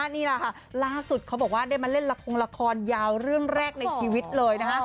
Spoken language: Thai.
นี่แหละค่ะล่าสุดเขาบอกว่าได้มาเล่นละครละครยาวเรื่องแรกในชีวิตเลยนะคะ